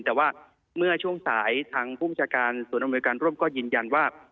แต่เมื่อช่วงสายทางผู้มุมจาการศูนย์อำเมริการร่วมก็ยืนยันว่า